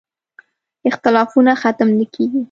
اختلافونه ختم نه کېږي.